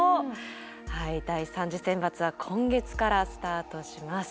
第３次選抜は今月からスタートします。